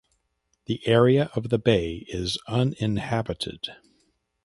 The area of the bay is uninhabited.